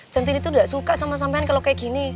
centini tuh enggak suka sama samaan kalau kayak gini